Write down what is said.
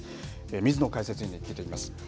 水野解説委員に聞いていきます。